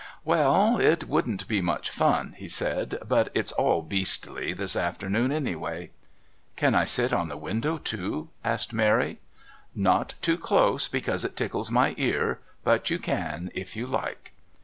"Well, it wouldn't be much fun," he said, "but it's all beastly this afternoon, anyway." "Can I sit on the window too?" asked Mary. "Not too close, because it tickles my ear, but you can if you like."